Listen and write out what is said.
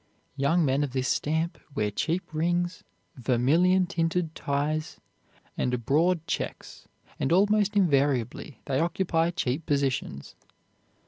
Young men of this stamp wear cheap rings, vermilion tinted ties, and broad checks, and almost invariably they occupy cheap positions.